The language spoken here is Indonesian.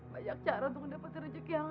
minta aku sementar cari makan